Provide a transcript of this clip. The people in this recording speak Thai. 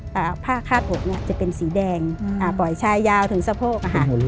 ผ้าภาพผมจะเป็นสีแดงป่อยชายยาวถึงสะโพก